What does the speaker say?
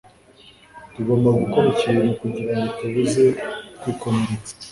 Tugomba gukora ikintu kugirango tubuze kwikomeretsa.